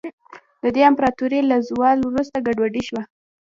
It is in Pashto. د دې امپراتورۍ له زوال وروسته ګډوډي شوه.